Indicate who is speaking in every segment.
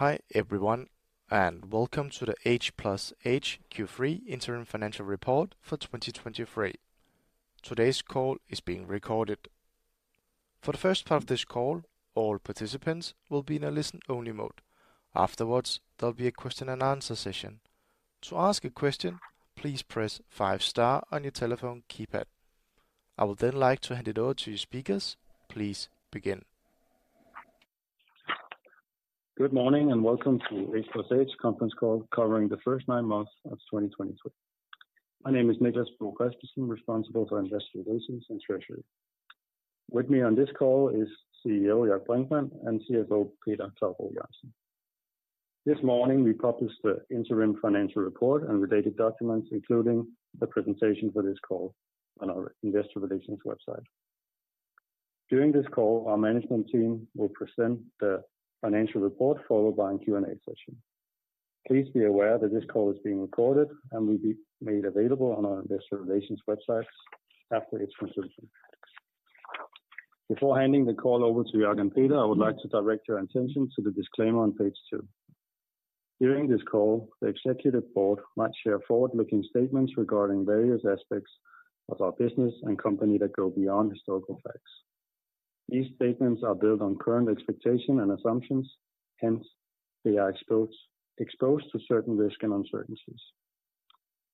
Speaker 1: Hi everyone, and welcome to the H+H Q3 interim financial report for 2023. Today's call is being recorded. For the first part of this call, all participants will be in a listen-only mode. Afterwards, there'll be a question and answer session. To ask a question, please press five star on your telephone keypad. I would then like to hand it over to your speakers. Please begin.
Speaker 2: Good morning, and welcome to H+H conference call covering the first 9 months of 2023. My name is Niclas Bo Kristensen, responsible for investor relations and treasury. With me on this call is CEO Jörg Brinkmann and CFO Peter Klovgaard-Jørgensen. This morning, we published the interim financial report and related documents, including the presentation for this call on our investor relations website. During this call, our management team will present the financial report followed by a Q&A session. Please be aware that this call is being recorded and will be made available on our investor relations websites after its conclusion. Before handing the call over to Jörg and Peter, I would like to direct your attention to the disclaimer on page 2. During this call, the executive board might share forward-looking statements regarding various aspects of our business and company that go beyond historical facts. These statements are built on current expectation and assumptions, hence they are exposed, exposed to certain risks and uncertainties.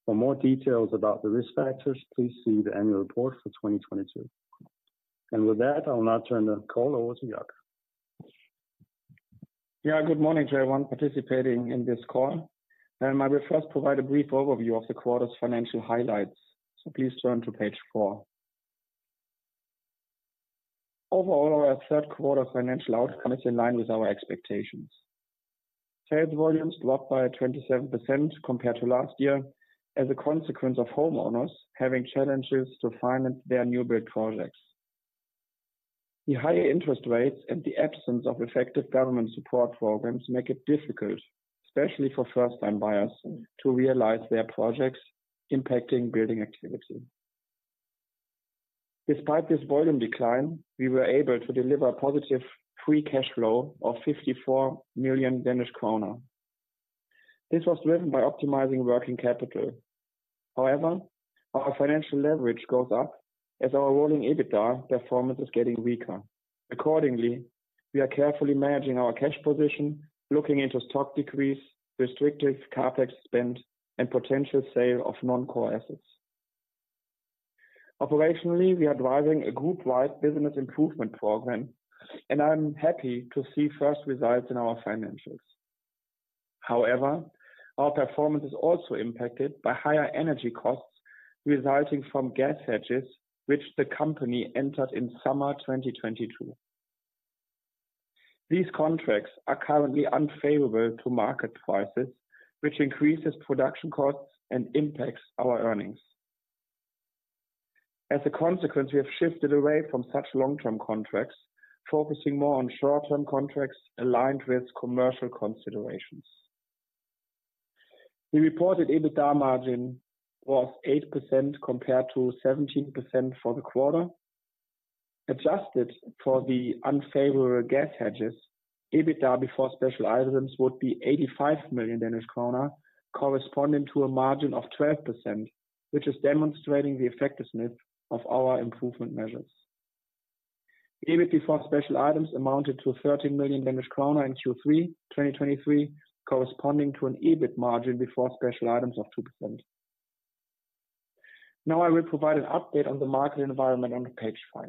Speaker 2: For more details about the risk factors, please see the annual report for 2022. And with that, I'll now turn the call over to Jörg.
Speaker 3: Yeah, good morning to everyone participating in this call, and I will first provide a brief overview of the quarter's financial highlights. So please turn to page 4. Overall, our third quarter financial outcome is in line with our expectations. Sales volumes dropped by 27% compared to last year, as a consequence of homeowners having challenges to finance their new build projects. The higher interest rates and the absence of effective government support programs make it difficult, especially for first-time buyers, to realize their projects, impacting building activity. Despite this volume decline, we were able to deliver a positive free cash flow of 54 million Danish kroner. This was driven by optimizing working capital. However, our financial leverage goes up as our rolling EBITDA performance is getting weaker. Accordingly, we are carefully managing our cash position, looking into stock decrease, restrictive CapEx spend, and potential sale of non-core assets. Operationally, we are driving a group-wide business improvement program, and I'm happy to see first results in our financials. However, our performance is also impacted by higher energy costs resulting from gas hedges, which the company entered in summer 2022. These contracts are currently unfavorable to market prices, which increases production costs and impacts our earnings. As a consequence, we have shifted away from such long-term contracts, focusing more on short-term contracts aligned with commercial considerations. The reported EBITDA margin was 8% compared to 17% for the quarter. Adjusted for the unfavorable gas hedges, EBITDA before special items would be 85 million Danish kroner, corresponding to a margin of 12%, which is demonstrating the effectiveness of our improvement measures. EBIT before special items amounted to 13 million kroner in Q3 2023, corresponding to an EBIT margin before special items of 2%. Now I will provide an update on the market environment on page 5.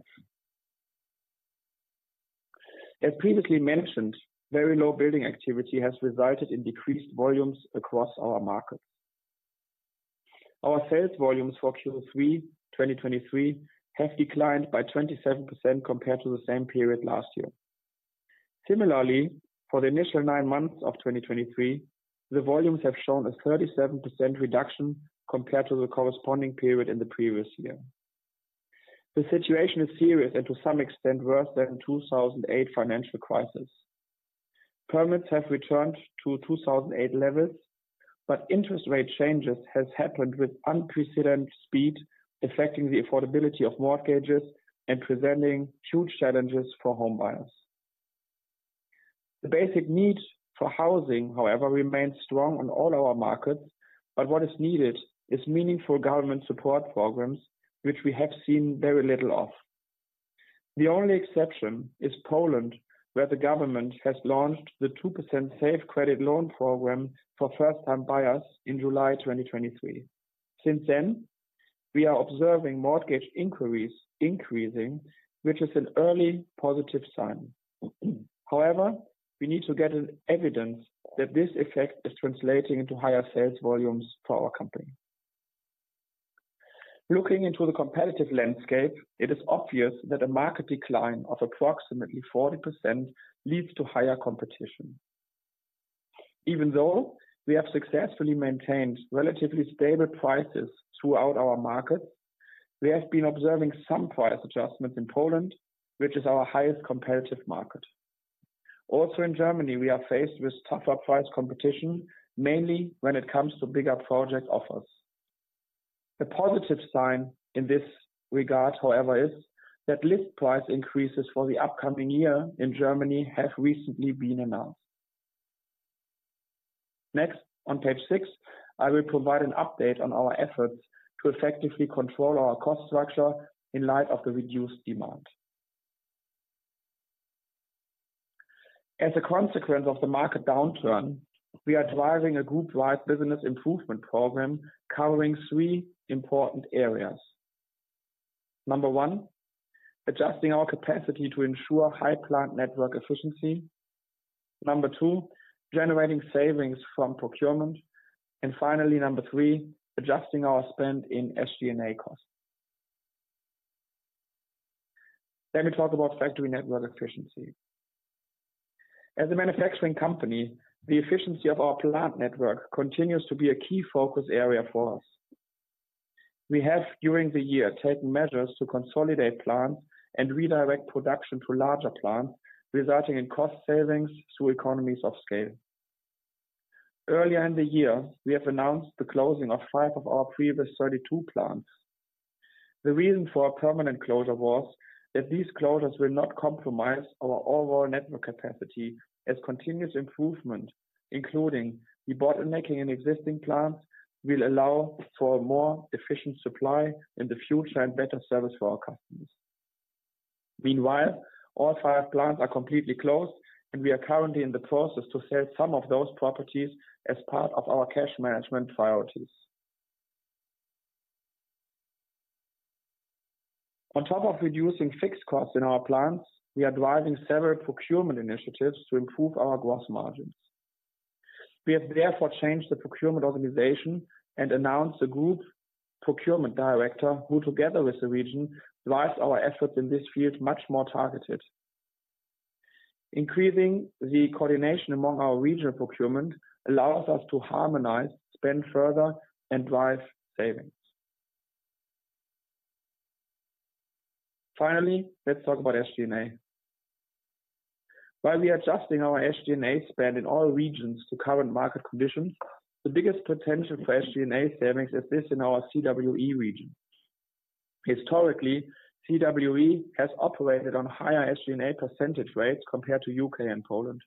Speaker 3: As previously mentioned, very low building activity has resulted in decreased volumes across our markets. Our sales volumes for Q3 2023 have declined by 27% compared to the same period last year. Similarly, for the initial 9 months of 2023, the volumes have shown a 37% reduction compared to the corresponding period in the previous year. The situation is serious and to some extent worse than 2008 financial crisis. Permits have returned to 2008 levels, but interest rate changes has happened with unprecedented speed, affecting the affordability of mortgages and presenting huge challenges for homebuyers. The basic need for housing, however, remains strong on all our markets, but what is needed is meaningful government support programs, which we have seen very little of. The only exception is Poland, where the government has launched the 2% Safe Credit loan program for first-time buyers in July 2023. Since then, we are observing mortgage inquiries increasing, which is an early positive sign. However, we need to get evidence that this effect is translating into higher sales volumes for our company. Looking into the competitive landscape, it is obvious that a market decline of approximately 40% leads to higher competition. Even though we have successfully maintained relatively stable prices throughout our markets, we have been observing some price adjustments in Poland, which is our highest competitive market. Also in Germany, we are faced with tougher price competition, mainly when it comes to bigger project offers. A positive sign in this regard, however, is that list price increases for the upcoming year in Germany have recently been announced. Next, on page six, I will provide an update on our efforts to effectively control our cost structure in light of the reduced demand. As a consequence of the market downturn, we are driving a group-wide business improvement program covering three important areas. Number 1, adjusting our capacity to ensure high plant network efficiency. Number 2, generating savings from procurement. And finally, number 3, adjusting our spend in SG&A costs. Let me talk about factory network efficiency. As a manufacturing company, the efficiency of our plant network continues to be a key focus area for us. We have, during the year, taken measures to consolidate plants and redirect production to larger plants, resulting in cost savings through economies of scale. Earlier in the year, we have announced the closing of 5 of our previous 32 plants. The reason for a permanent closure was that these closures will not compromise our overall network capacity, as continuous improvement, including debottlenecking an existing plant, will allow for a more efficient supply in the future and better service for our customers. Meanwhile, all five plants are completely closed, and we are currently in the process to sell some of those properties as part of our cash management priorities. On top of reducing fixed costs in our plants, we are driving several procurement initiatives to improve our gross margins. We have therefore changed the procurement organization and announced a group procurement director, who, together with the region, drives our efforts in this field much more targeted. Increasing the coordination among our regional procurement allows us to harmonize, spend further, and drive savings. Finally, let's talk about SG&A. While we are adjusting our SG&A spend in all regions to current market conditions, the biggest potential for SG&A savings is this in our CWE region. Historically, CWE has operated on higher SG&A percentage rates compared to UK and Poland.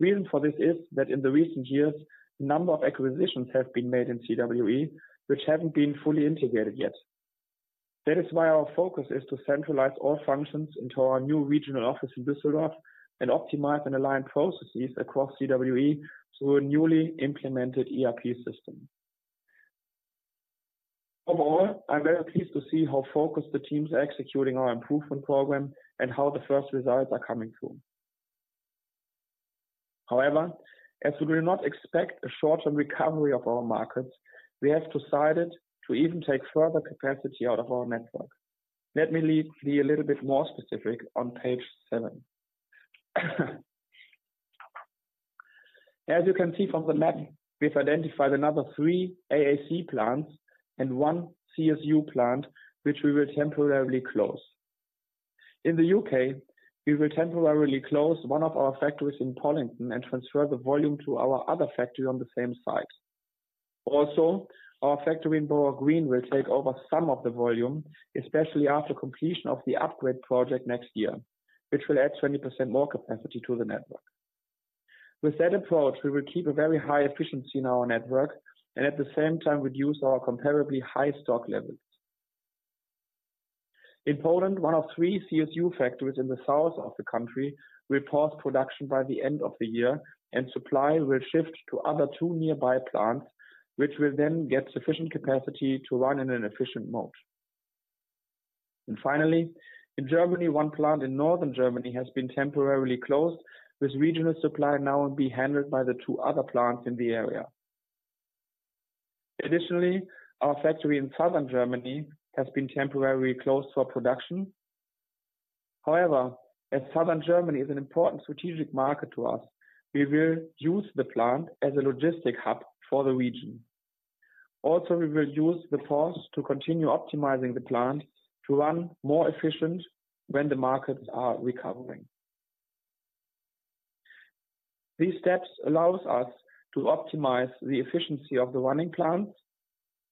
Speaker 3: Reason for this is, that in the recent years, a number of acquisitions have been made in CWE, which haven't been fully integrated yet. That is why our focus is to centralize all functions into our new regional office in Düsseldorf and optimize and align processes across CWE through a newly implemented ERP system. Overall, I'm very pleased to see how focused the teams are executing our improvement program and how the first results are coming through. However, as we do not expect a short-term recovery of our markets, we have decided to even take further capacity out of our network. Let me be a little bit more specific on page seven. As you can see from the map, we've identified another three AAC plants and one CSU plant, which we will temporarily close. In the UK, we will temporarily close one of our factories in Pollington and transfer the volume to our other factory on the same site. Also, our factory in Bowerhill will take over some of the volume, especially after completion of the upgrade project next year, which will add 20% more capacity to the network. With that approach, we will keep a very high efficiency in our network and at the same time, reduce our comparably high stock levels. In Poland, one of three CSU factories in the south of the country will pause production by the end of the year, and supply will shift to other two nearby plants, which will then get sufficient capacity to run in an efficient mode. Finally, in Germany, one plant in northern Germany has been temporarily closed, with regional supply now will be handled by the two other plants in the area. Additionally, our factory in southern Germany has been temporarily closed for production. However, as southern Germany is an important strategic market to us, we will use the plant as a logistic hub for the region. Also, we will use the pause to continue optimizing the plant to run more efficient when the markets are recovering. These steps allows us to optimize the efficiency of the running plants.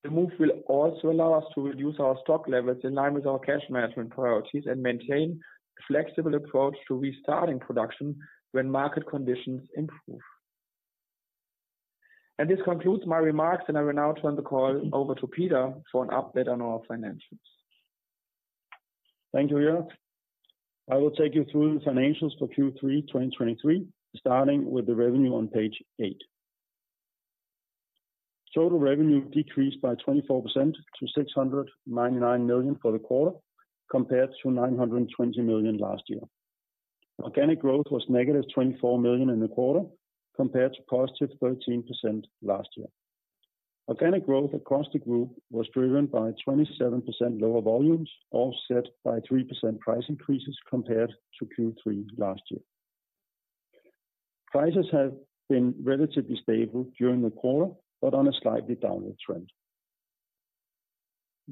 Speaker 3: The move will also allow us to reduce our stock levels in line with our cash management priorities and maintain a flexible approach to restarting production when market conditions improve. This concludes my remarks, and I will now turn the call over to Peter for an update on our financials.
Speaker 4: Thank you, Jörg. I will take you through the financials for Q3 2023, starting with the revenue on page 8. Total revenue decreased by 24% to 699 million for the quarter, compared to 920 million last year. Organic growth was negative 24 million in the quarter, compared to positive 13% last year. Organic growth across the group was driven by 27% lower volumes, offset by 3% price increases compared to Q3 last year. Prices have been relatively stable during the quarter, but on a slightly downward trend....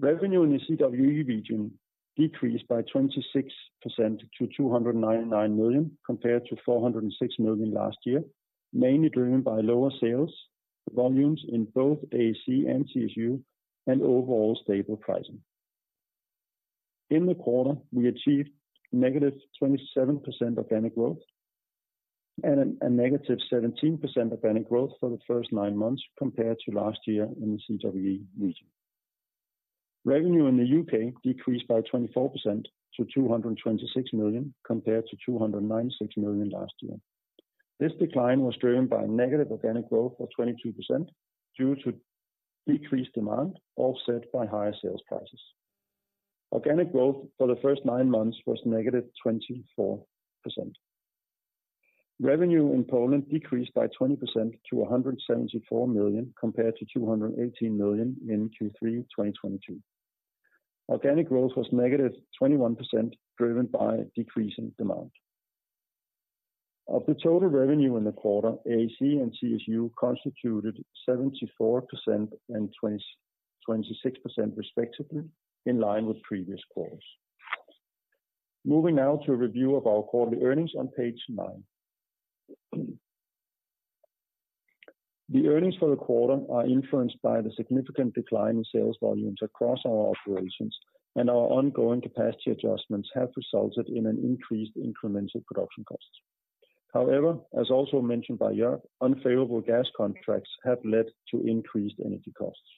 Speaker 4: Revenue in the CWE region decreased by 26% to 299 million, compared to 406 million last year, mainly driven by lower sales volumes in both AAC and CSU, and overall stable pricing. In the quarter, we achieved -27% organic growth and a -17% organic growth for the first nine months compared to last year in the CWE region. Revenue in the UK decreased by 24% to 226 million, compared to 296 million last year. This decline was driven by negative organic growth of 22%, due to decreased demand, offset by higher sales prices. Organic growth for the first nine months was -24%. Revenue in Poland decreased by 20% to 174 million, compared to 218 million in Q3 2022. Organic growth was -21%, driven by decreasing demand. Of the total revenue in the quarter, AAC and CSU constituted 74% and 26% respectively, in line with previous quarters. Moving now to a review of our quarterly earnings on page 9. The earnings for the quarter are influenced by the significant decline in sales volumes across our operations, and our ongoing capacity adjustments have resulted in an increased incremental production cost. However, as also mentioned by Jörg, unfavorable gas contracts have led to increased energy costs.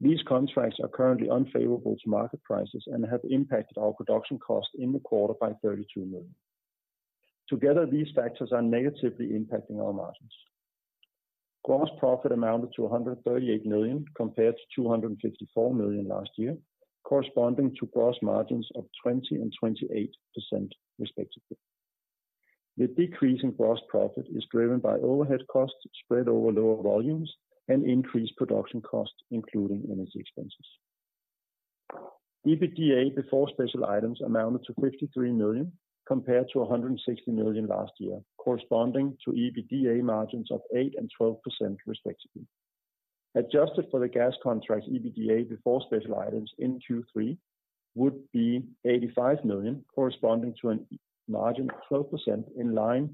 Speaker 4: These contracts are currently unfavorable to market prices and have impacted our production cost in the quarter by 32 million. Together, these factors are negatively impacting our margins. Gross profit amounted to 138 million, compared to 254 million last year, corresponding to gross margins of 20% and 28% respectively. The decrease in gross profit is driven by overhead costs spread over lower volumes and increased production costs, including energy expenses. EBITDA before special items amounted to 53 million, compared to 160 million last year, corresponding to EBITDA margins of 8% and 12% respectively. Adjusted for the gas contract, EBITDA before special items in Q3 would be 85 million, corresponding to a margin of 12% in line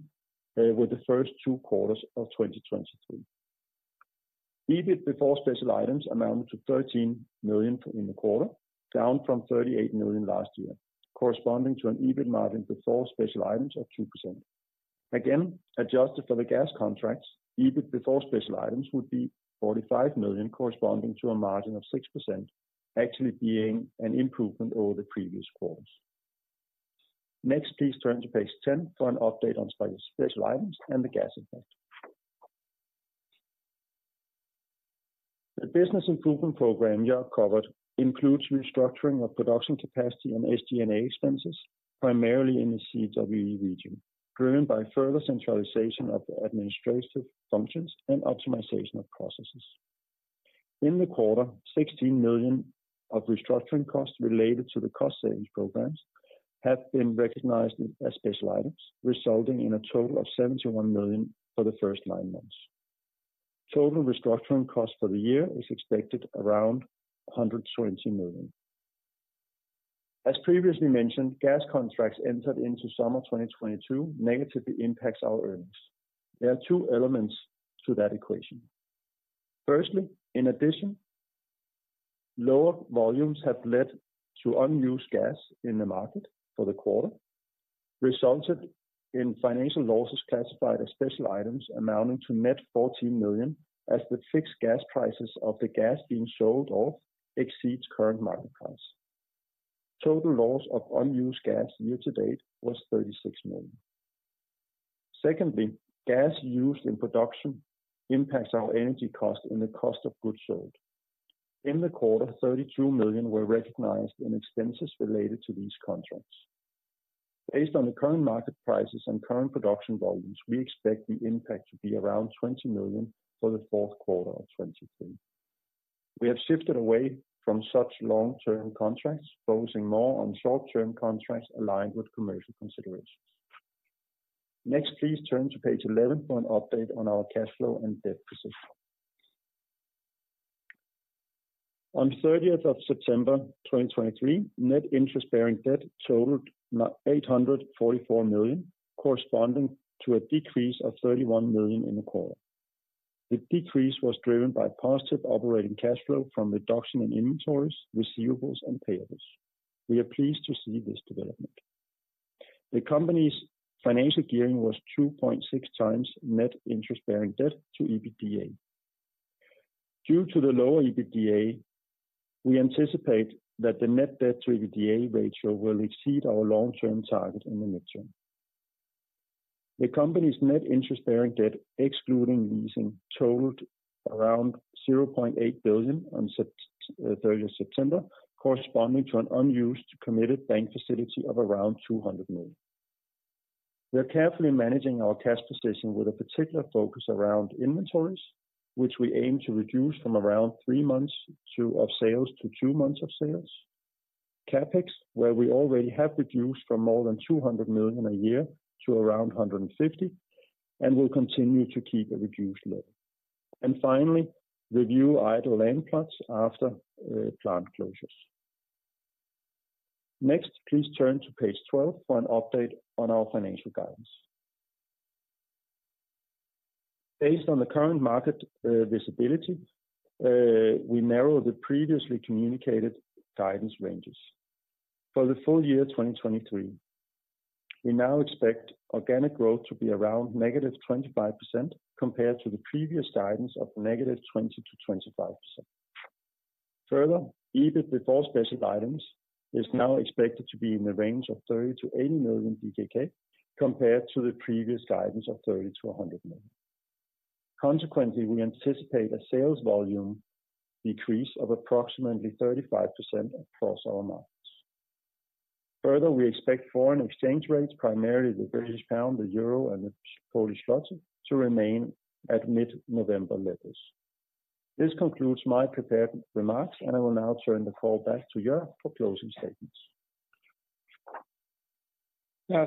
Speaker 4: with the first two quarters of 2023. EBIT before special items amounted to 13 million in the quarter, down from 38 million last year, corresponding to an EBIT margin before special items of 2%. Again, adjusted for the gas contracts, EBIT before special items would be 45 million, corresponding to a margin of 6%, actually being an improvement over the previous quarters. Next, please turn to page 10 for an update on special items and the gas impact. The business improvement program Jörg covered includes restructuring of production capacity and SG&A expenses, primarily in the CWE region, driven by further centralization of administrative functions and optimization of processes. In the quarter, 16 million of restructuring costs related to the cost savings programs have been recognized as special items, resulting in a total of 71 million for the first nine months. Total restructuring cost for the year is expected around 120 million. As previously mentioned, gas contracts entered into summer 2022 negatively impacts our earnings. There are two elements to that equation. Firstly, in addition, lower volumes have led to unused gas in the market for the quarter, resulted in financial losses classified as special items amounting to net 14 million, as the fixed gas prices of the gas being sold off exceeds current market price. Total loss of unused gas year to date was 36 million. Secondly, gas used in production impacts our energy cost and the cost of goods sold. In the quarter, 32 million were recognized in expenses related to these contracts. Based on the current market prices and current production volumes, we expect the impact to be around 20 million for the fourth quarter of 2023. We have shifted away from such long-term contracts, focusing more on short-term contracts aligned with commercial considerations. Next, please turn to page 11 for an update on our cash flow and debt position. On 30th of September 2023, net interest-bearing debt totaled 844 million, corresponding to a decrease of 31 million in the quarter. The decrease was driven by positive operating cash flow from reduction in inventories, receivables, and payables. We are pleased to see this development. The company's financial gearing was 2.6 times net interest-bearing debt to EBITDA. Due to the lower EBITDA, we anticipate that the net debt to EBITDA ratio will exceed our long-term target in the near term. The company's net interest bearing debt, excluding leasing, totaled around 0.8 billion on thirtieth September, corresponding to an unused committed bank facility of around 200 million. We are carefully managing our cash position with a particular focus around inventories, which we aim to reduce from around three months of sales to two months of sales. CapEx, where we already have reduced from more than 200 million a year to around 150, and will continue to keep a reduced level. Finally, review idle land plots after plant closures. Next, please turn to page 12 for an update on our financial guidance. Based on the current market visibility, we narrow the previously communicated guidance ranges. For the full year 2023, we now expect organic growth to be around -25%, compared to the previous guidance of -20% to -25%. Further, EBIT before special items is now expected to be in the range of 30-80 million, compared to the previous guidance of 30-100 million. Consequently, we anticipate a sales volume decrease of approximately 35% across our markets. Further, we expect foreign exchange rates, primarily the British pound, the euro, and the Polish zloty, to remain at mid-November levels. This concludes my prepared remarks, and I will now turn the call back to Jörg for closing statements.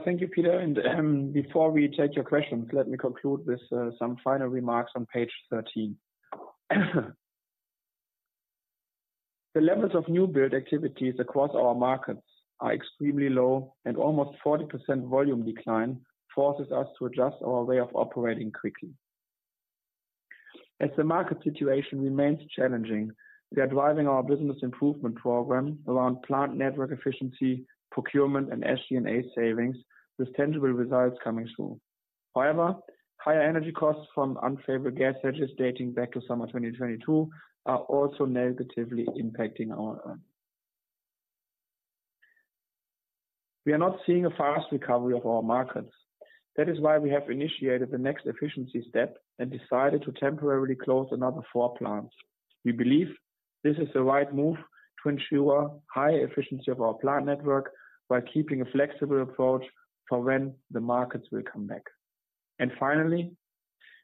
Speaker 3: Thank you, Peter, and before we take your questions, let me conclude with some final remarks on page 13. The levels of new build activities across our markets are extremely low, and almost 40% volume decline forces us to adjust our way of operating quickly. As the market situation remains challenging, we are driving our business improvement program around plant network efficiency, procurement, and SG&A savings, with tangible results coming through. However, higher energy costs from unfavorable gas hedges dating back to summer 2022 are also negatively impacting our earnings. We are not seeing a fast recovery of our markets. That is why we have initiated the next efficiency step and decided to temporarily close another 4 plants. We believe this is the right move to ensure high efficiency of our plant network while keeping a flexible approach for when the markets will come back. Finally,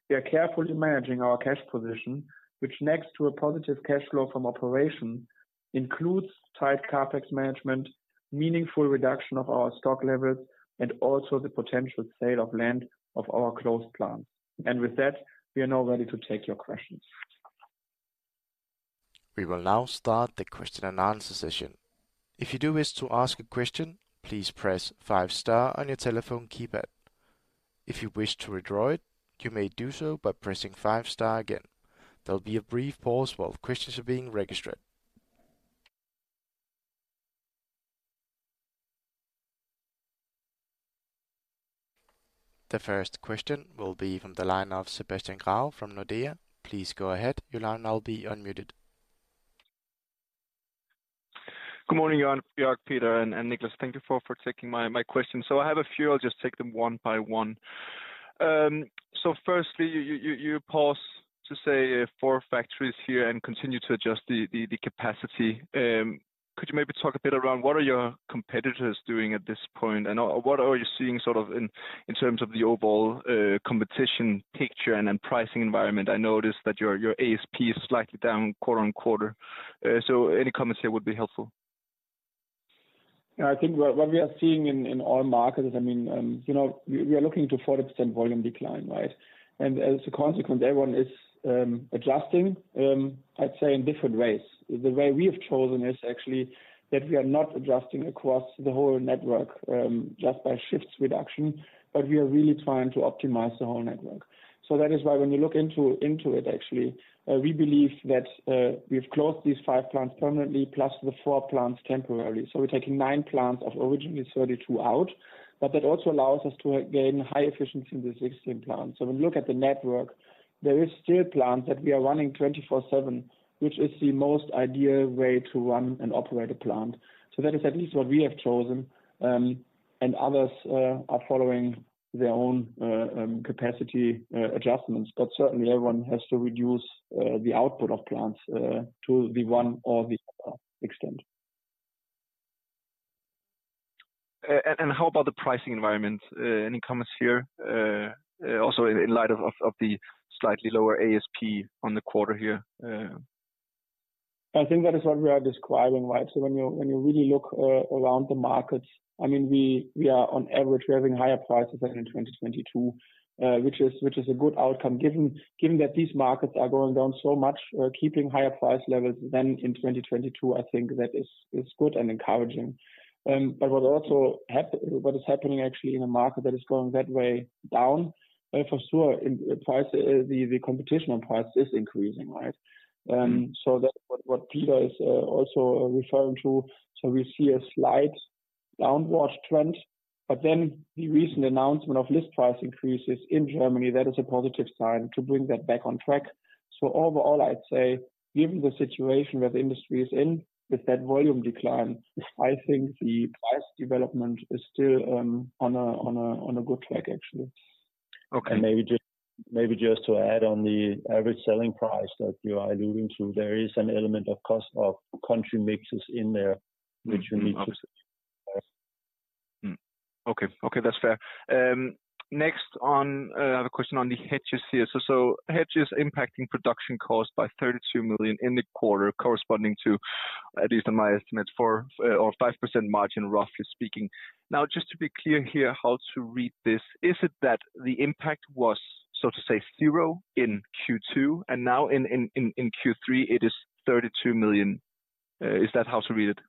Speaker 3: we are carefully managing our cash position, which, next to a positive cash flow from operation, includes tight CapEx management, meaningful reduction of our stock levels, and also the potential sale of land of our closed plants. And with that, we are now ready to take your questions.
Speaker 1: We will now start the question and answer session. If you do wish to ask a question, please press five star on your telephone keypad. If you wish to withdraw it, you may do so by pressing five star again. There will be a brief pause while questions are being registered. The first question will be from the line of Sebastian Grave from Nordea. Please go ahead. Your line will now be unmuted.
Speaker 5: Good morning, all, Jörg, Peter, and Niclas. Thank you for taking my question. So I have a few. I'll just take them one by one. So firstly, you pause to say four factories here and continue to adjust the capacity. Could you maybe talk a bit around what are your competitors doing at this point, and what are you seeing, sort of, in terms of the overall competition picture and then pricing environment? I noticed that your ASP is slightly down quarter-over-quarter. So any comments here would be helpful.
Speaker 3: I think what we are seeing in all markets, I mean, you know, we are looking to 40% volume decline, right? And as a consequence, everyone is adjusting, I'd say, in different ways. The way we have chosen is actually that we are not adjusting across the whole network, just by shifts reduction, but we are really trying to optimize the whole network. So that is why when you look into it, actually, we believe that we've closed these 5 plants permanently, plus the 4 plants temporarily. So we're taking 9 plants of originally 32 out, but that also allows us to gain high efficiency in the existing plants. So when you look at the network, there is still plants that we are running 24/7, which is the most ideal way to run and operate a plant. So that is at least what we have chosen, and others are following their own capacity adjustments. But certainly everyone has to reduce the output of plants to the one or the other extent.
Speaker 5: How about the pricing environment? Any comments here, also in light of the slightly lower ASP on the quarter here?
Speaker 3: I think that is what we are describing, right? So when you, when you really look around the markets, I mean, we, we are on average, we are having higher prices than in 2022, which is, which is a good outcome. Given, given that these markets are going down so much, keeping higher price levels than in 2022, I think that is, is good and encouraging. But what also what is happening actually in a market that is going that way down, for sure, in price, the, the competition on price is increasing, right? So that's what, what Peter is also referring to. So we see a slight downward trend, but then the recent announcement of list price increases in Germany, that is a positive sign to bring that back on track. Overall, I'd say given the situation where the industry is in with that volume decline, I think the price development is still on a good track, actually.
Speaker 5: Okay.
Speaker 4: And maybe just, maybe just to add on the average selling price that you are alluding to, there is an element of cost of country mixes in there, which you need to-...
Speaker 5: Okay, okay, that's fair. Next on, I have a question on the hedges here. So hedges impacting production cost by 32 million in the quarter, corresponding to, at least in my estimate, 4% or 5% margin, roughly speaking. Now, just to be clear here, how to read this, is it that the impact was, so to say, zero in Q2, and now in Q3, it is 32 million? Is that how to read it?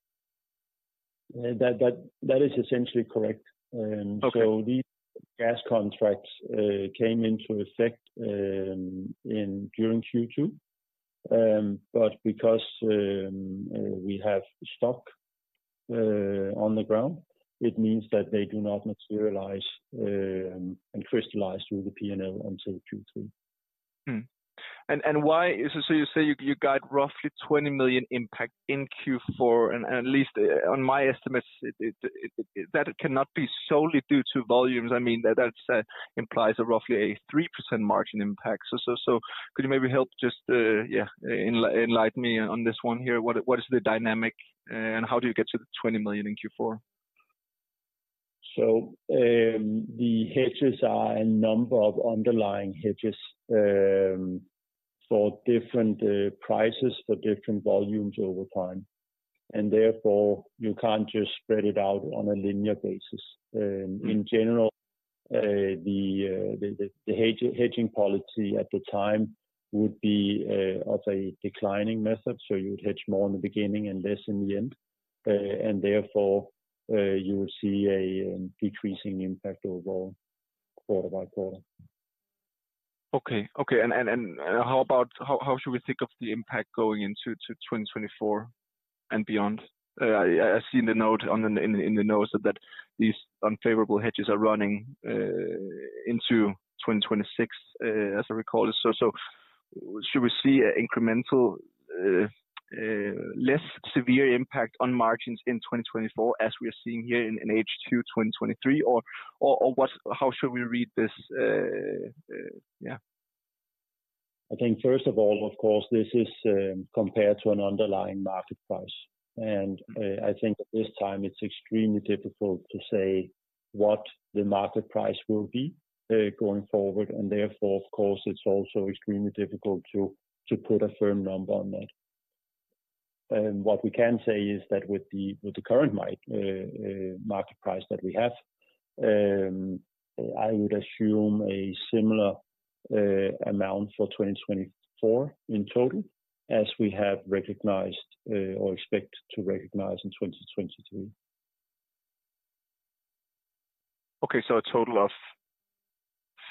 Speaker 4: That is essentially correct.
Speaker 5: Okay.
Speaker 4: So these gas contracts came into effect in during Q2. But because we have stock on the ground, it means that they do not materialize and crystallize through the PNL until Q3.
Speaker 5: Hmm. Why. So you say you got roughly 20 million impact in Q4, and at least on my estimates, it, that cannot be solely due to volumes. I mean, that implies a roughly 3% margin impact. So could you maybe help just, yeah, enlighten me on this one here? What is the dynamic, and how do you get to the 20 million in Q4?
Speaker 4: The hedges are a number of underlying hedges for different prices, for different volumes over time, and therefore, you can't just spread it out on a linear basis. In general, the hedging policy at the time would be of a declining method, so you would hedge more in the beginning and less in the end. And therefore, you will see a decreasing impact overall, quarter by quarter.
Speaker 5: Okay, okay. And how should we think of the impact going into 2024 and beyond? I see the note in the notes that these unfavorable hedges are running into 2026, as I recall it. So should we see an incremental less severe impact on margins in 2024, as we are seeing here in H2 2023, or what, how should we read this, yeah?
Speaker 4: I think first of all, of course, this is compared to an underlying market price, and I think at this time it's extremely difficult to say what the market price will be going forward, and therefore, of course, it's also extremely difficult to put a firm number on that. And what we can say is that with the current market price that we have, I would assume a similar amount for 2024 in total, as we have recognized or expect to recognize in 2023.
Speaker 5: Okay, so a total of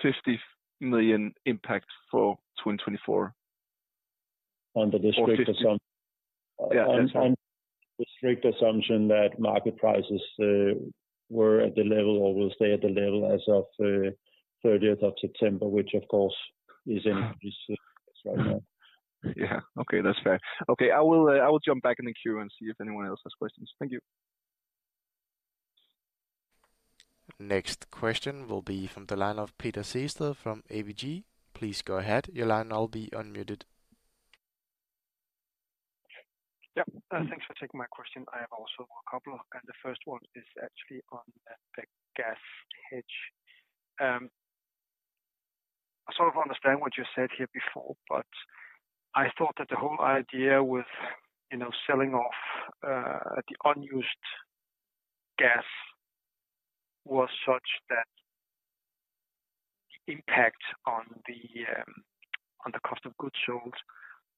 Speaker 5: 50 million impact for 2024.
Speaker 4: Under the strict assumption-
Speaker 5: Yeah.
Speaker 4: The strict assumption that market prices were at the level or will stay at the level as of 30th of September, which of course is in right now.
Speaker 5: Yeah. Okay, that's fair. Okay, I will, I will jump back in the queue and see if anyone else has questions. Thank you.
Speaker 1: Next question will be from the line of Peter Sehested from ABG. Please go ahead. Your line will be unmuted.
Speaker 6: Yeah, thanks for taking my question. I have also a couple, and the first one is actually on the gas hedge. I sort of understand what you said here before, but I thought that the whole idea with, you know, selling off the unused gas was such that the impact on the cost of goods sold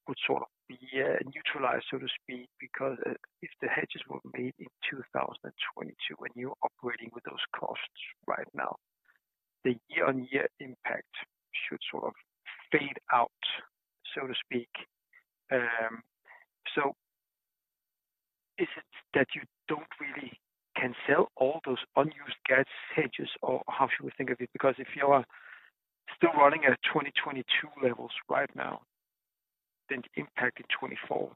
Speaker 6: would sort of be neutralized, so to speak, because if the hedges were made in 2022, when you're operating with those costs right now, the year-on-year impact should sort of fade out, so to speak. So is it that you don't really can sell all those unused gas hedges, or how should we think of it? Because if you are still running at 2022 levels right now, then the impact in 2024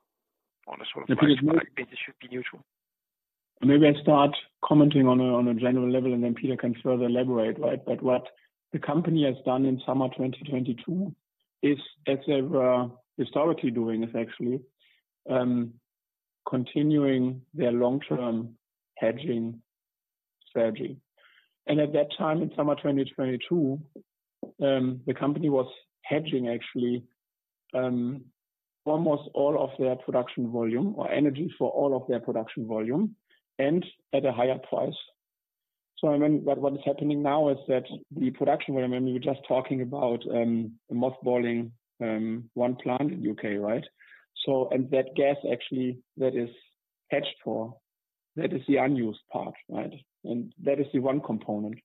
Speaker 6: on a sort of basis should be neutral.
Speaker 3: Maybe I start commenting on a general level, and then Peter can further elaborate, right? But what the company has done in summer 2022 is, as they were historically doing, is actually continuing their long-term hedging strategy. And at that time, in summer 2022, the company was hedging actually almost all of their production volume or energy for all of their production volume and at a higher price. So, I mean, what is happening now is that the production volume, and we were just talking about, mothballing one plant in UK, right? So, and that gas actually, that is hedged for, that is the unused part, right? And that is the one component.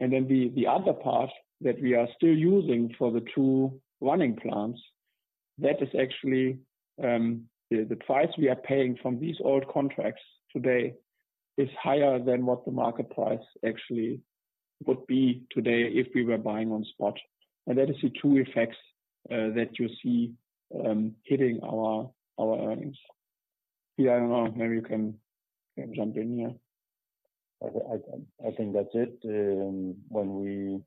Speaker 3: And then the other part that we are still using for the two running plants, that is actually the price we are paying from these old contracts today is higher than what the market price actually would be today if we were buying on spot. And that is the two effects that you see hitting our earnings. Yeah, I don't know, maybe you can jump in here.
Speaker 4: I think that's it. When we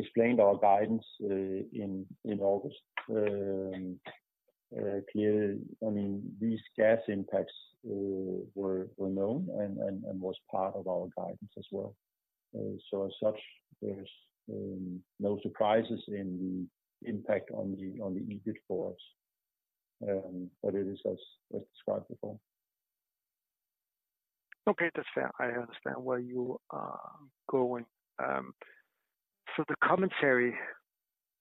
Speaker 4: explained our guidance in August. Clearly, I mean, these gas impacts were known and was part of our guidance as well. So as such, there's no surprises in the impact on the EBIT for us, but it is as described before.
Speaker 6: Okay, that's fair. I understand where you are going. So the commentary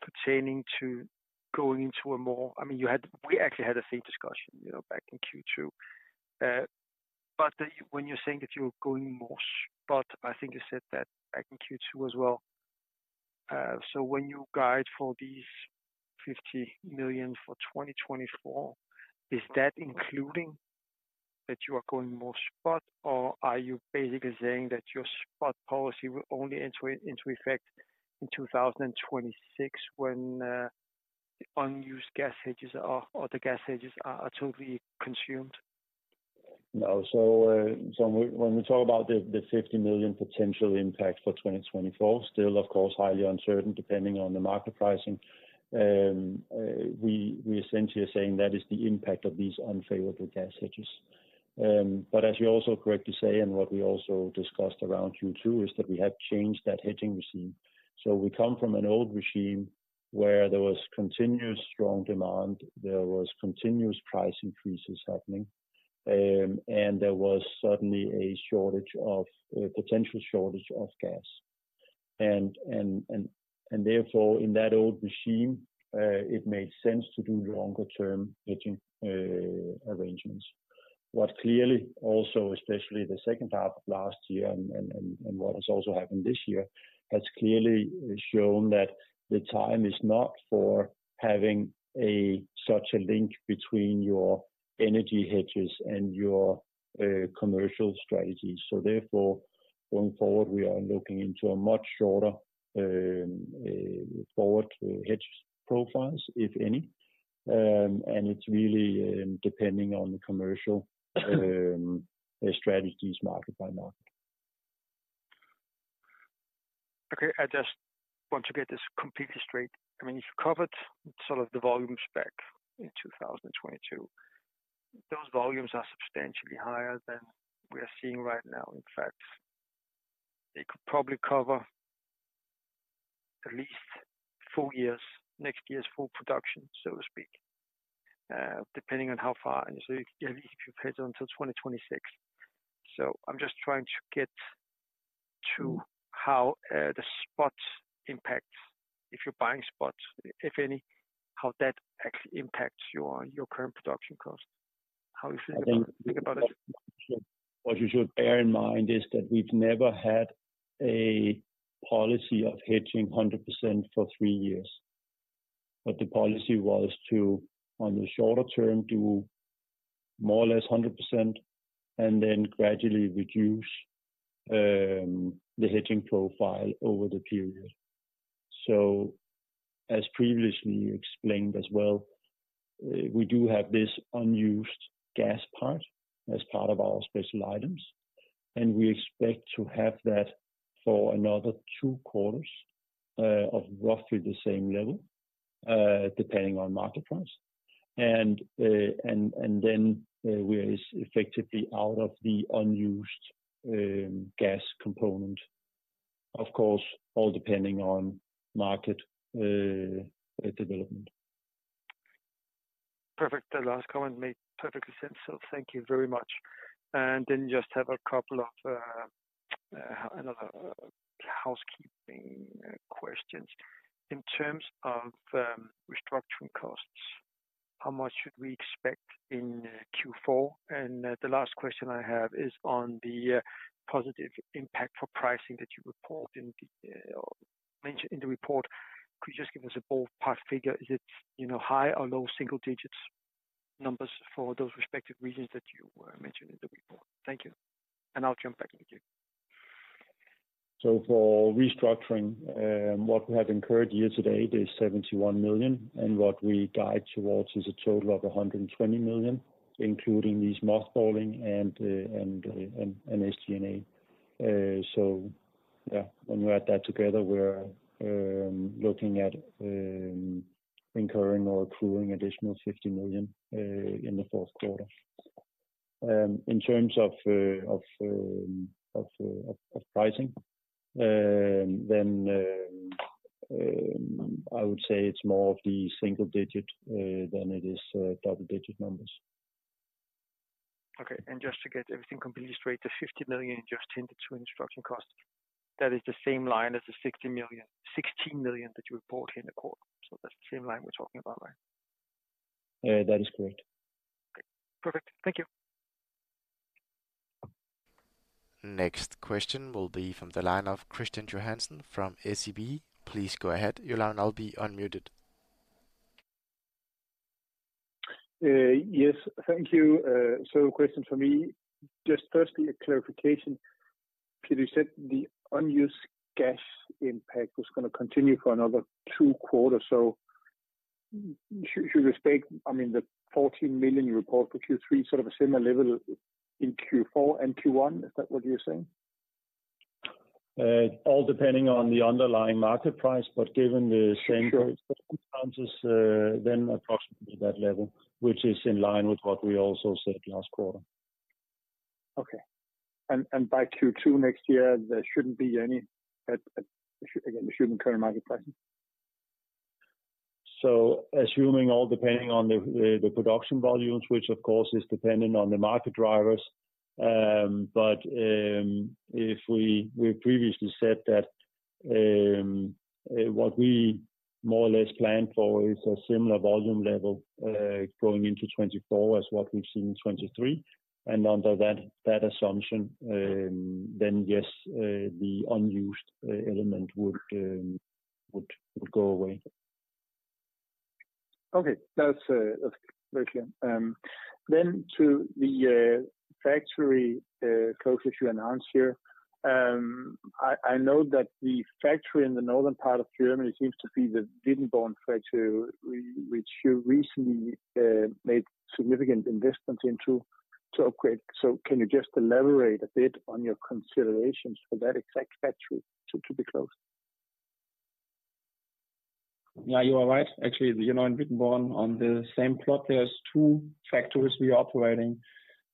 Speaker 6: pertaining to going into a more, I mean, you had, we actually had the same discussion, you know, back in Q2. But when you're saying that you're going more spot, I think you said that back in Q2 as well. So when you guide for these 50 million for 2024, is that including that you are going more spot, or are you basically saying that your spot policy will only enter into effect in 2026 when the unused gas hedges or, or the gas hedges are totally consumed?
Speaker 4: No. So, so when we talk about the 50 million potential impact for 2024, still, of course, highly uncertain, depending on the market pricing. We essentially are saying that is the impact of these unfavorable gas hedges. But as you're also correct to say, and what we also discussed around Q2, is that we have changed that hedging regime. So we come from an old regime where there was continuous strong demand, there was continuous price increases happening, and there was certainly a potential shortage of gas. And therefore, in that old regime, it made sense to do longer term hedging arrangements. What clearly also, especially the second half of last year and what has also happened this year, has clearly shown that the time is not for having such a link between your energy hedges and your commercial strategy. So therefore, going forward, we are looking into a much shorter forward hedge profiles, if any. And it's really depending on the commercial strategies, market by market.
Speaker 6: Okay, I just want to get this completely straight. I mean, you've covered sort of the volumes back in 2022. Those volumes are substantially higher than we are seeing right now. In fact, they could probably cover at least four years, next year's full production, so to speak, depending on how far, and so if you hedge until 2026. So I'm just trying to get to how, the spot impacts if you're buying spot, if any, how that actually impacts your, your current production cost? How you think about it?
Speaker 4: What you should bear in mind is that we've never had a policy of hedging 100% for three years. But the policy was to, on the shorter term, do more or less 100% and then gradually reduce the hedging profile over the period. So as previously explained as well, we do have this unused gas part as part of our special items, and we expect to have that for another two quarters of roughly the same level, depending on market price. And then we are effectively out of the unused gas component. Of course, all depending on market development.
Speaker 6: Perfect. That last comment made perfectly sense, so thank you very much. And then just have a couple of another housekeeping questions. In terms of restructuring costs, how much should we expect in Q4? And the last question I have is on the positive impact for pricing that you report in the mentioned in the report. Could you just give us a ballpark figure? Is it, you know, high or low single digits numbers for those respective regions that you mentioned in the report? Thank you. And I'll jump back in the queue.
Speaker 4: So for restructuring, what we have incurred year to date is 71 million, and what we guide towards is a total of 120 million, including these mothballing and SG&A. So yeah, when we add that together, we're looking at incurring or accruing additional 50 million in the fourth quarter. In terms of pricing, then, I would say it's more of the single digit than it is double-digit numbers.
Speaker 6: Okay. And just to get everything completely straight, the 50 million you just hinted to in structuring costs, that is the same line as the 60 million--16 million that you report in the quarter. So that's the same line we're talking about, right?
Speaker 4: That is correct.
Speaker 6: Perfect. Thank you.
Speaker 1: Next question will be from the line of Kristian Johansen from SEB. Please go ahead, your line will be unmuted.
Speaker 7: Yes, thank you. So, question for me, just firstly, a clarification. Could you set the unused gas impact was going to continue for another two quarters, so?... Should we expect, I mean, the 14 million you report for Q3, sort of a similar level in Q4 and Q1? Is that what you're saying?
Speaker 4: All depending on the underlying market price, but given the same circumstances, then approximately that level, which is in line with what we also said last quarter.
Speaker 7: Okay. And by Q2 next year, there shouldn't be any, assuming current market pricing.
Speaker 4: So assuming all depending on the production volumes, which of course is dependent on the market drivers. But if we previously said that what we more or less plan for is a similar volume level going into 2024 as what we've seen in 2023. And under that assumption, then yes, the unused element would go away.
Speaker 7: Okay. That's, that's very clear. Then to the factory closure you announced here. I know that the factory in the northern part of Germany seems to be the Wittenborn factory, which you recently made significant investments into. So can you just elaborate a bit on your considerations for that exact factory to be closed?
Speaker 3: Yeah, you are right. Actually, you know, in Wittenborn, on the same plot, there's two factories we are operating.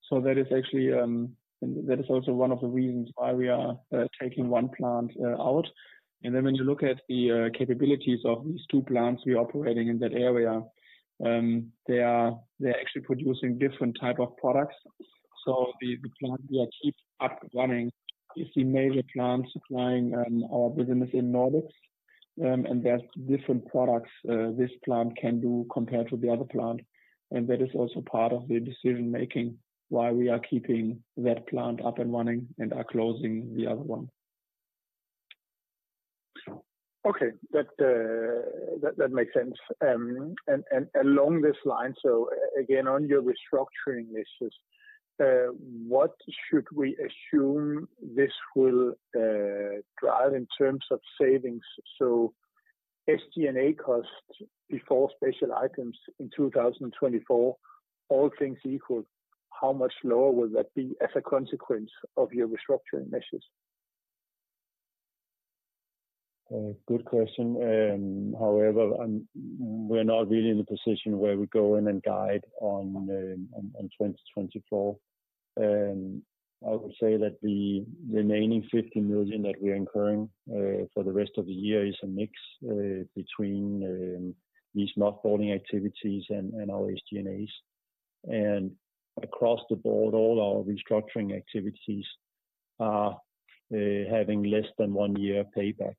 Speaker 3: So that is actually, that is also one of the reasons why we are taking one plant out. And then when you look at the capabilities of these two plants we are operating in that area, they are, they're actually producing different type of products. So the, the plant we are keep up running is the major plant supplying our business in Nordics. And there's different products this plant can do compared to the other plant, and that is also part of the decision making, why we are keeping that plant up and running and are closing the other one.
Speaker 7: Okay, that makes sense. And along this line, again, on your restructuring measures, what should we assume this will drive in terms of savings? So SG&A costs before special items in 2024, all things equal, how much lower will that be as a consequence of your restructuring measures?
Speaker 4: Good question. However, we're not really in a position where we go in and guide on 2024. I would say that the remaining 50 million that we are incurring for the rest of the year is a mix between these mothballing activities and our SG&A. Across the board, all our restructuring activities are having less than one year payback.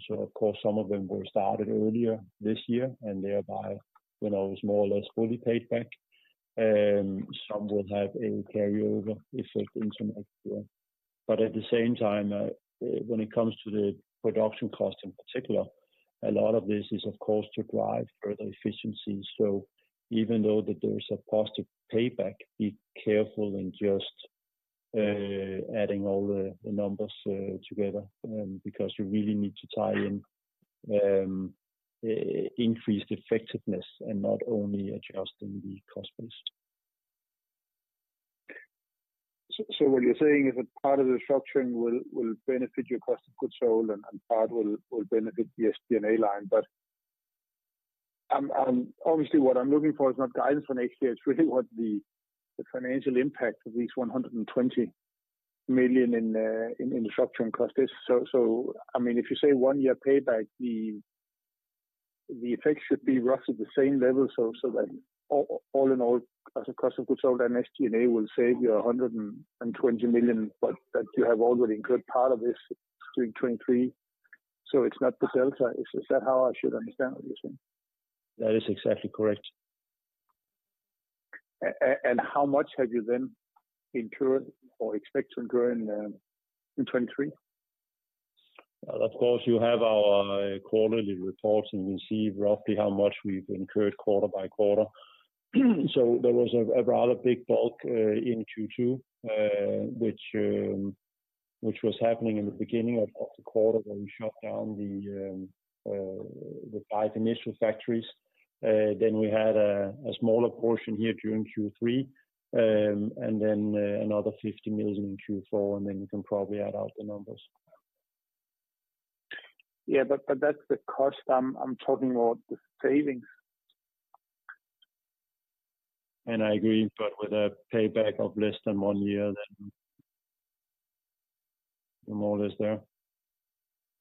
Speaker 4: So of course, some of them were started earlier this year, and thereby, you know, is more or less fully paid back. Some will have a carryover effect into next year. But at the same time, when it comes to the production cost, in particular, a lot of this is, of course, to drive further efficiency. So even though that there is a positive payback, be careful in just adding all the numbers together, because you really need to tie in increased effectiveness and not only adjusting the cost base.
Speaker 7: So, what you're saying is that part of the restructuring will benefit your cost of goods sold, and part will benefit the SG&A line. But, obviously, what I'm looking for is not guidance on next year. It's really what the financial impact of these 120 million in restructuring costs is. So, I mean, if you say one year payback, the effect should be roughly the same level. So, that all in all, as a cost of goods sold, and SG&A will save you 120 million, but that you have already incurred part of this through 2023. So it's not the delta. Is that how I should understand what you're saying?
Speaker 4: That is exactly correct.
Speaker 7: And how much have you then incurred or expect to incur in 2023?
Speaker 4: Of course, you have our quarterly reports, and you can see roughly how much we've incurred quarter by quarter. So there was a rather big bulk in Q2, which was happening in the beginning of the quarter when we shut down the five initial factories. Then we had a smaller portion here during Q3, and then another 50 million in Q4, and then you can probably add out the numbers.
Speaker 7: Yeah, but that's the cost. I'm talking about the savings.
Speaker 4: And I agree, but with a payback of less than one year, then... more or less there.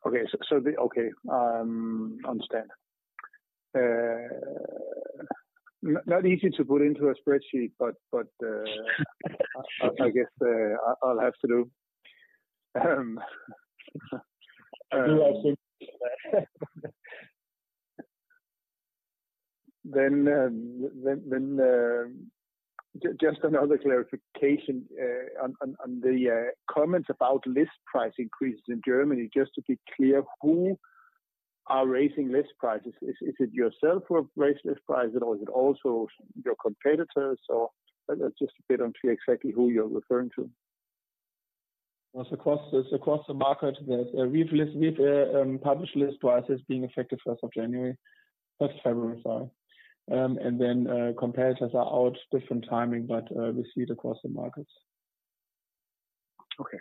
Speaker 7: Okay, understand. Not easy to put into a spreadsheet, but, I guess, I'll have to do.
Speaker 4: Yeah, I think.
Speaker 7: Then, just another clarification on the comments about list price increases in Germany. Just to be clear, who are raising list prices? Is it yourself who have raised list price, or is it also your competitors, or? Just a bit unsure exactly who you're referring to....
Speaker 3: It's across, it's across the market that we've published list prices being effective first of January. First February, sorry. And then, competitors are out different timing, but we see it across the markets.
Speaker 7: Okay.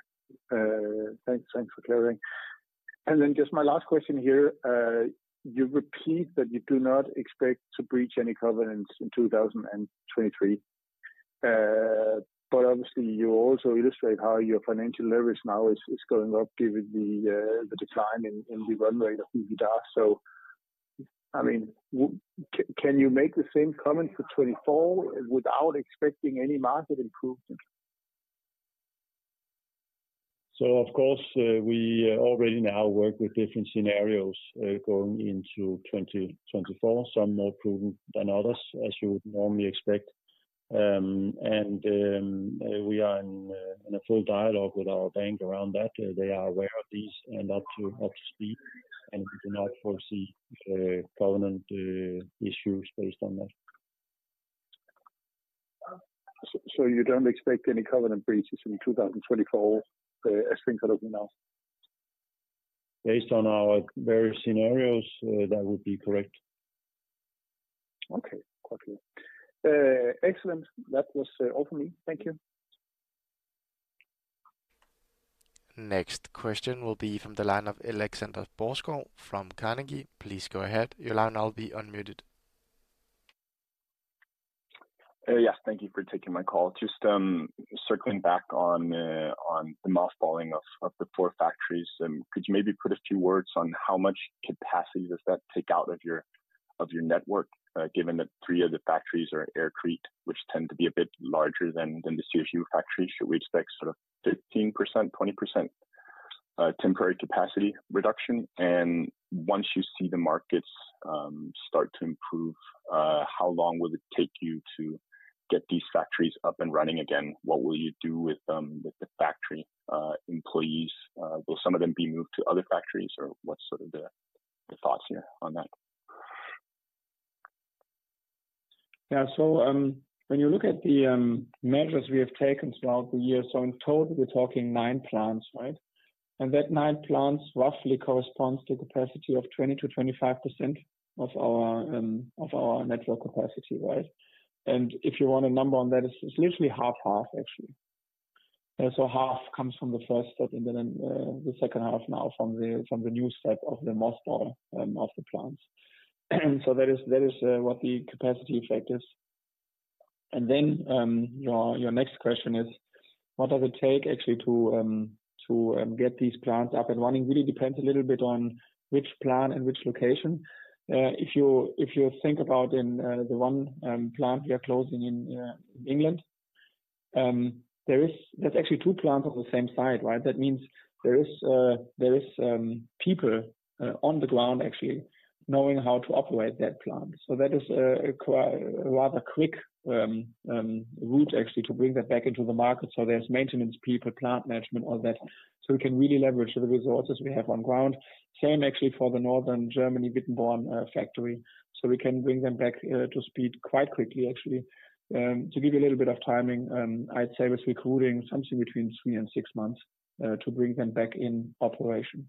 Speaker 7: Thanks, thanks for clearing. And then just my last question here, you repeat that you do not expect to breach any covenants in 2023. But obviously you also illustrate how your financial leverage now is going up, given the decline in the runway of EBITDA. So, I mean, can you make the same comment for 2024 without expecting any market improvement?
Speaker 4: So of course, we already now work with different scenarios going into 2024, some more proven than others, as you would normally expect. And we are in a full dialogue with our bank around that. They are aware of these and up to speed, and we do not foresee covenant issues based on that.
Speaker 7: So, so you don't expect any covenant breaches in 2024, as things are looking now?
Speaker 4: Based on our various scenarios, that would be correct.
Speaker 7: Okay, got you. Excellent. That was all for me. Thank you.
Speaker 1: Next question will be from the line of Alexander Borreskov from Carnegie. Please go ahead. Your line is now unmuted.
Speaker 8: Yes, thank you for taking my call. Just circling back on the mothballing of the four factories. Could you maybe put a few words on how much capacity does that take out of your network? Given that three of the factories are air-cured, which tend to be a bit larger than the CSU factory. Should we expect sort of 15%-20% temporary capacity reduction? And once you see the markets start to improve, how long will it take you to get these factories up and running again? What will you do with the factory employees? Will some of them be moved to other factories, or what's sort of the thoughts here on that?
Speaker 3: Yeah. So, when you look at the measures we have taken throughout the year, so in total, we're talking 9 plants, right? And that 9 plants roughly corresponds to capacity of 20%-25% of our of our network capacity, right? And if you want a number on that, it's literally half-half, actually. So half comes from the first set, and then the second half now from the from the new set of the mothball of the plants. So that is what the capacity effect is. And then your your next question is, what does it take actually to get these plants up and running? Really depends a little bit on which plant and which location. If you think about the one plant we are closing in England, there is, there's actually two plants on the same site, right? That means there is people on the ground actually knowing how to operate that plant. So that is a rather quick route actually to bring that back into the market. So there's maintenance people, plant management, all that. So we can really leverage the resources we have on ground. Same actually for the Northern Germany, Wittenborn factory, so we can bring them back to speed quite quickly actually. To give you a little bit of timing, I'd say it's requiring something between 3 and 6 months to bring them back in operation.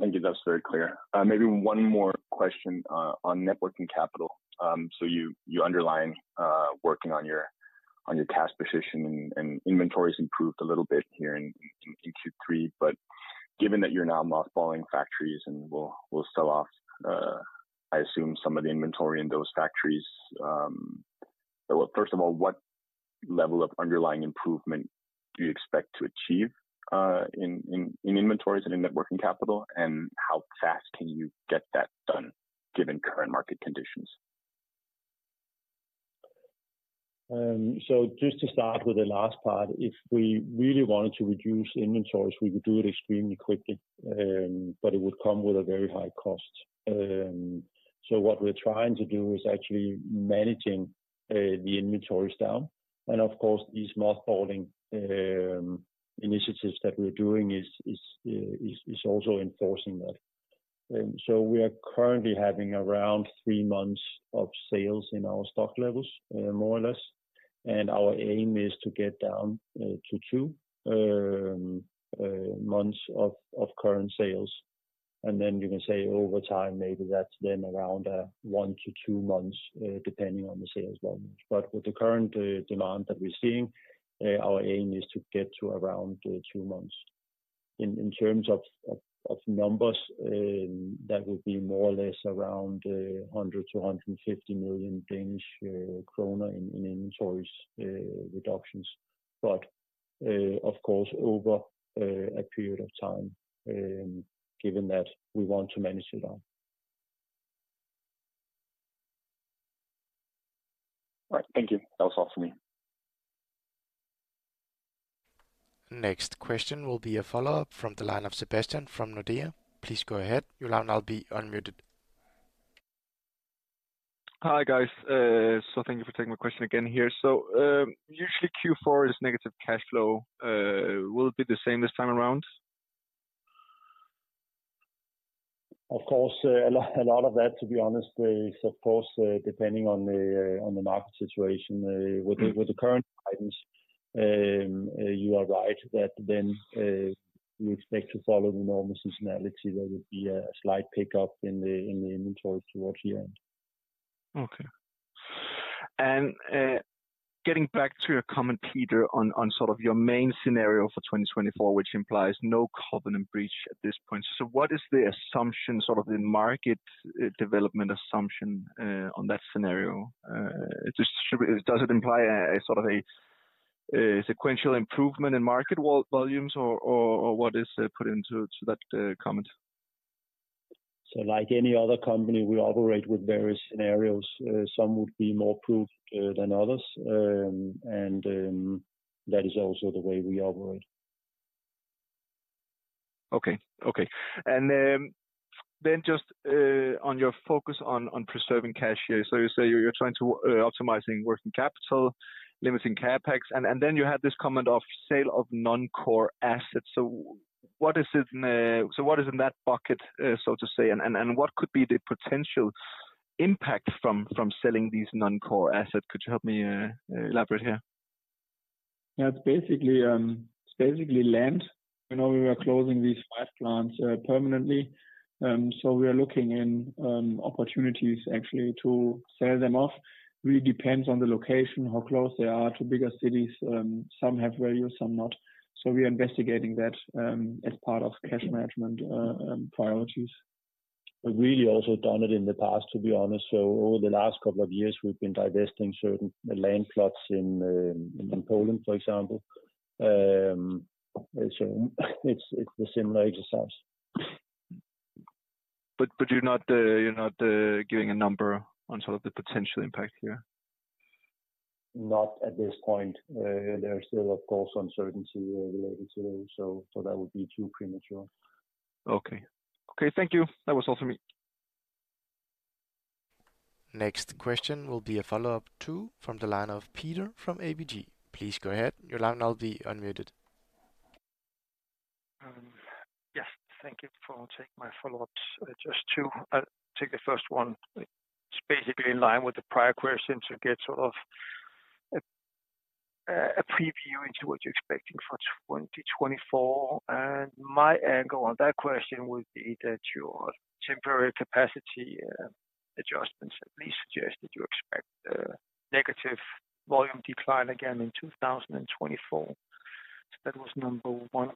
Speaker 8: Thank you. That's very clear. Maybe one more question on net working capital. So you underline working on your cash position, and inventories improved a little bit here in Q3. But given that you're now mothballing factories and will sell off, I assume some of the inventory in those factories. Well, first of all, what level of underlying improvement do you expect to achieve in inventories and in net working capital? And how fast can you get that done, given current market conditions?
Speaker 4: So just to start with the last part, if we really wanted to reduce inventories, we could do it extremely quickly, but it would come with a very high cost. So what we're trying to do is actually managing the inventories down. And of course, these mothballing initiatives that we're doing is also enforcing that. So we are currently having around three months of sales in our stock levels, more or less, and our aim is to get down to two months of current sales. And then you can say over time, maybe that's then around one to two months, depending on the sales volume. But with the current demand that we're seeing, our aim is to get to around two months. In terms of numbers, that would be more or less around 100 million-150 million Danish kroner in inventories reductions, but of course, over a period of time, given that we want to manage it down.
Speaker 8: Right. Thank you. That was all for me.
Speaker 1: Next question will be a follow-up from the line of Sebastian from Nordea. Please go ahead. You'll now be unmuted.
Speaker 5: Hi, guys. So thank you for taking my question again here. So, usually Q4 is negative cash flow. Will it be the same this time around?
Speaker 4: Of course, a lot of that, to be honest, is of course depending on the market situation. With the current items, you are right, that then we expect to follow the normal seasonality. There will be a slight pickup in the inventory towards the end.
Speaker 5: Okay. And, getting back to your comment, Peter, on sort of your main scenario for 2024, which implies no covenant breach at this point. So what is the assumption, sort of the market development assumption, on that scenario? Just, does it imply a sort of a sequential improvement in market wall volumes or what is put into that comment?
Speaker 4: Like any other company, we operate with various scenarios. Some would be more proven than others. That is also the way we operate.
Speaker 5: Okay. Okay. And then just on your focus on preserving cash here. So you say you're trying to optimizing working capital, limiting CapEx, and then you had this comment of sale of non-core assets. So what is in that bucket, so to say, and what could be the potential impact from selling these non-core assets? Could you help me elaborate here?
Speaker 3: Yeah, it's basically, it's basically land. You know, we are closing these five plants permanently, so we are looking into opportunities actually to sell them off. Really depends on the location, how close they are to bigger cities, some have value, some not. So we are investigating that, as part of cash management priorities.
Speaker 4: We've really also done it in the past, to be honest. So over the last couple of years, we've been divesting certain land plots in Poland, for example. So it's the similar exercise.
Speaker 5: But you're not giving a number on sort of the potential impact here?
Speaker 3: Not at this point. There are still, of course, uncertainty related to it, so that would be too premature.
Speaker 5: Okay. Okay, thank you. That was all for me.
Speaker 1: Next question will be a follow-up, too, from the line of Peter from ABG. Please go ahead, your line now be unmuted.
Speaker 6: Yes, thank you for taking my follow-ups. Just to take the first one, it's basically in line with the prior question to get sort of a preview into what you're expecting for 2024. And my angle on that question would be that your temporary capacity adjustments at least suggest that you expect a negative volume decline again in 2024. So that was number one.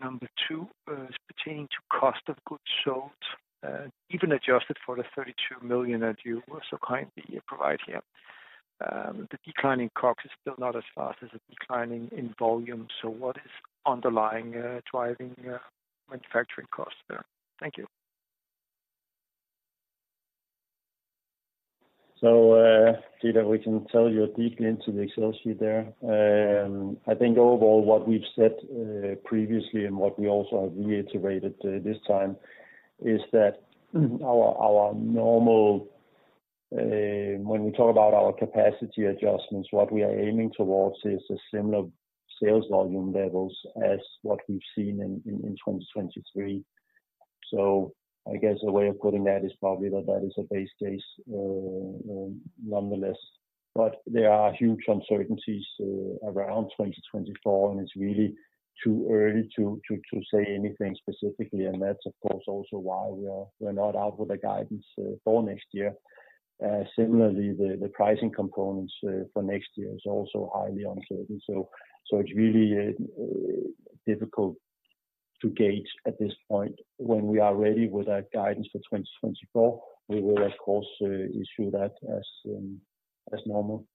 Speaker 6: Number two, pertaining to cost of goods sold, even adjusted for the 32 million that you so kindly provide here. The decline in COGS is still not as fast as the declining in volume. So what is underlying driving manufacturing costs there? Thank you.
Speaker 4: So, Peter, we can tell you a deep dive into the Excel sheet there. I think overall, what we've said previously and what we also have reiterated this time, is that our normal, when we talk about our capacity adjustments, what we are aiming towards is similar sales volume levels as what we've seen in 2023. So I guess a way of putting that is probably that that is a base case, nonetheless, but there are huge uncertainties around 2024, and it's really too early to say anything specifically, and that's of course also why we are, we're not out with a guidance for next year. Similarly, the pricing components for next year is also highly uncertain. So it's really difficult to gauge at this point. When we are ready with our guidance for 2024, we will of course issue that as normal.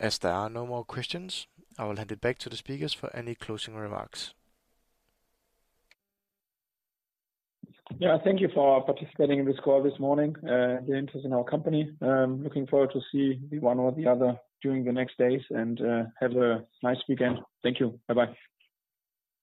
Speaker 1: As there are no more questions, I will hand it back to the speakers for any closing remarks.
Speaker 3: Yeah, thank you for participating in this call this morning, the interest in our company. Looking forward to see one or the other during the next days, and have a nice weekend. Thank you. Bye-bye.